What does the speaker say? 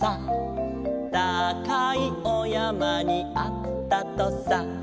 「たかいおやまにあったとさ」